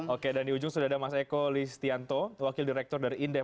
oke dan di ujung sudah ada mas eko listianto wakil direktur dari indef